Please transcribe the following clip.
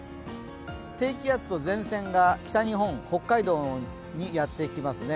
低気圧と前線が北日本、北海道にやってきますね。